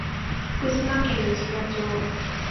福島県三島町